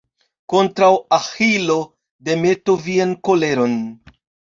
Kontraŭ Aĥilo demetu vian koleron.